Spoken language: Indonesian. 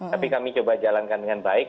tapi kami coba jalankan dengan baik